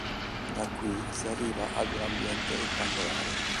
Da qui si arriva ad un ambiente rettangolare.